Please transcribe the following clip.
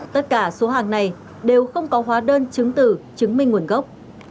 tất cả số hàng này đều không có hóa đơn chứng tử chứng minh nguồn gốc